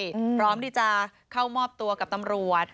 พร้อมที่จะเข้ามอบตัวกับตำรวจ